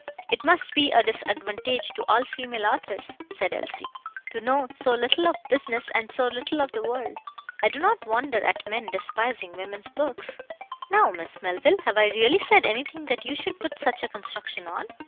"It must be a disadvantage to all female authors," said Elsie, "to know so little of business and so little of the world. I do not wonder at men despising women's books." "Now, Miss Melville, have I really said anything that you should put such a construction on?